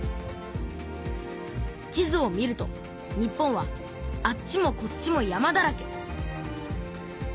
地図を見ると日本はあっちもこっちも山だらけ